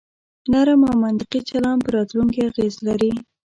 نرم او منطقي چلن په راتلونکي اغیز لري.